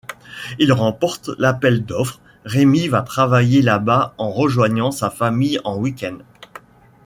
Ils remportent l’appel d'offres, Rémy va travailler là-bas en rejoignant sa famille en week-end.